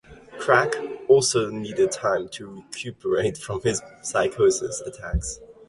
Crack also needed time to recuperate from his psychosis attacks.